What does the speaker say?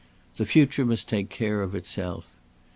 The future must take care of itself.